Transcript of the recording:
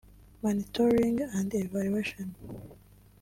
Monitoring and Evaluation